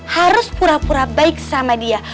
harus pura pura baik sama dia